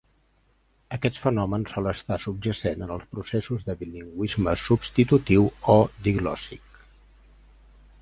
Aquest fenomen sol estar subjacent en els processos de bilingüisme substitutiu o diglòssic.